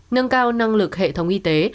nâng cao năng lực hệ thống y tế